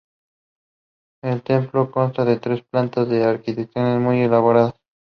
El templo consta de tres plantas de arquitectura muy elaborada.